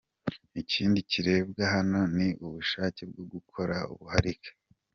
Ikindi kirebwa hano ni ubushake bwo gukora ubuharike.